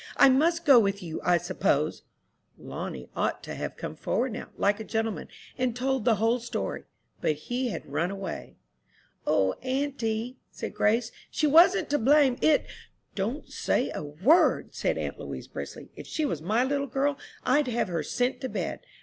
I must go with you, I suppose." Lonnie ought to have come forward now, like a little gentleman, and told the whole story; but he had run away. "O, auntie," said Grace, "she wasn't to blame. It " "Don't say a word," said aunt Louise, briskly. "If she was my little girl I'd have her sent to bed.